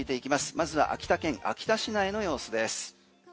まずは秋田県秋田市内の様子です。